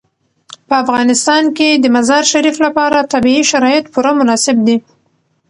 په افغانستان کې د مزارشریف لپاره طبیعي شرایط پوره مناسب دي.